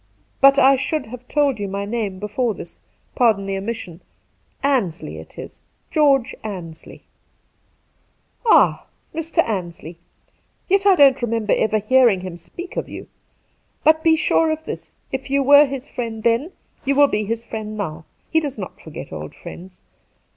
But I should have told you my name before this. Pardon the omission. Ansley it is ^ George Ansley.' ' Ah — Mr. Ansley! Yet I don't remember. ever hearing him speak of you. But be sure of this, if you were his friend then, you will be his friend now. He does not forget old friends.